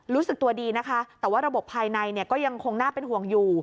รู้สึกตัวดีนะคะแต่ว่าระบบภายในก็ยังคงน่าเป็นห่วงอยู่